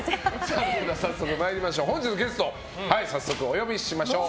本日のゲスト早速お呼びしましょう。